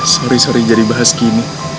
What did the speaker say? sorry sorry jadi bahas gini